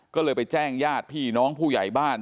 ก็เลยไปแจ้งญาติพี่น้องผู้ใหญ่บ้าน